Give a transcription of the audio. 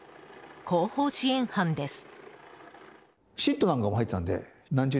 後方支援班です。